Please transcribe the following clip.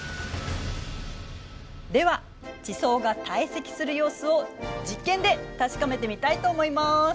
では地層が堆積する様子を実験で確かめてみたいと思います。